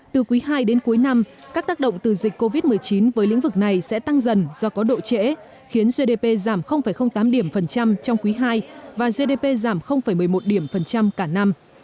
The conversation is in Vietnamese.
từ quý ii đến cuối năm các tác động từ dịch covid một mươi chín với lĩnh vực này sẽ tăng dần do có độ trễ khiến gdp giảm tám điểm phần trăm trong quý ii và gdp giảm một mươi một điểm phần trăm cả năm